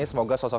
a sampai z